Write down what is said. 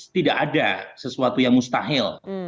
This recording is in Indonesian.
tidak ada sesuatu yang mustahil